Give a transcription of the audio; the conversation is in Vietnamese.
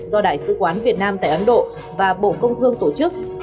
do đại sứ quán việt nam tại ấn độ và bộ công thương tổ chức